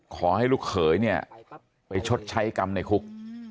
ขอให้ลูกเขยเนี่ยไปชดใช้กรรมในคุก